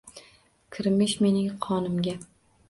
Kirmish mening qonimga.